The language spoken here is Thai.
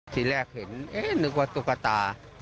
ทีแรกเห็นนึกว่าตุ๊กตา